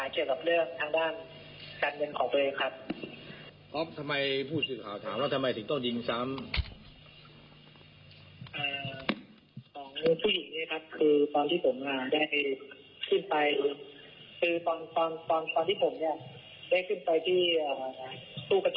คือตอนที่ผมได้ขึ้นไปที่ตู้กระจก